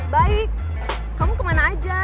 baik kamu kemana aja